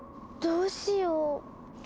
どうしよう。